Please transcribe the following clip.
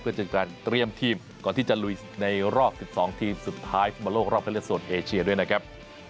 เพื่อจัดการเตรียมทีมก่อนที่จะลุยในรอบ๑๒ทีมสุดท้ายฟุตบอลโลกรอบคันเลือกโซนเอเชียด้วยนะครับ